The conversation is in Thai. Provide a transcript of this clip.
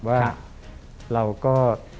ว่าเราก็